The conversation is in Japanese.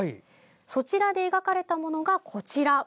そちらで描かれたものが、こちら。